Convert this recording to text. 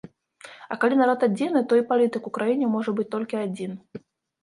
А калі народ адзіны, то і палітык у краіне можа быць толькі адзін.